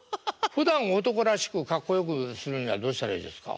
ふだん男らしくかっこよくするにはどうしたらいいですか？